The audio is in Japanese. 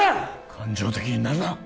感情的になるな